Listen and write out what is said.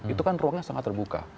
itu kan ruangnya sangat terbuka